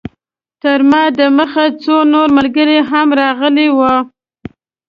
تر ما د مخه څو نور ملګري هم راغلي وو.